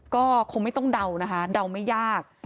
ก็คงไม่ต้องเดานะคะเดาไม่ยาก